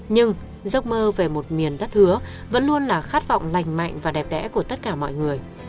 nhưng giấc mơ về một miền đất hứa vẫn luôn là khát vọng lành mạnh và đẹp đẽ của tất cả mọi người